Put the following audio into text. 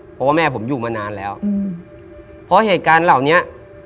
เพราะว่าแม่ผมอยู่มานานแล้วเพราะเหตุการณ์เหล่านี้